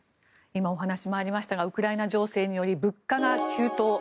今お話もありましたがウクライナ情勢により物価が急騰。